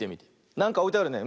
なんかおいてあるね。